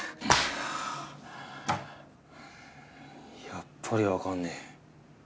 やっぱりわかんねえ。